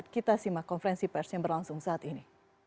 kita simak konferensi pers yang berlangsung saat ini